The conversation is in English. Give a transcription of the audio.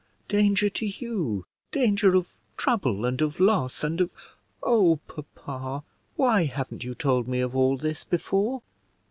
"Danger to you, danger of trouble, and of loss, and of Oh, papa, why haven't you told me of all this before?"